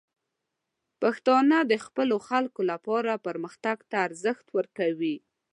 پښتانه د خپلو خلکو لپاره پرمختګ ته ارزښت ورکوي.